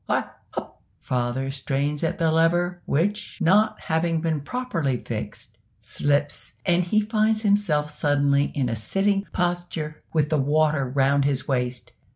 hup!" Father strains at the lever, which, not having been properly fixed, slips, and he finds himself suddenly in a sitting posture, with the water round his waist.